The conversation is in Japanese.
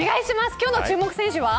今日の注目選手は。